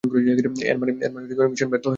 এর মানে, মিশন ব্যর্থ হয়েছে।